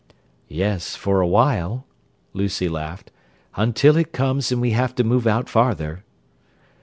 "Yes, for a while," Lucy laughed. "Until it comes and we have to move out farther."